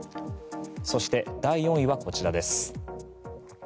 そして、第４位はこちらです。